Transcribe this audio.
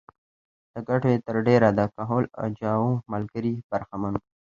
له ګټو یې تر ډېره د کهول اجاو ملګري برخمن وو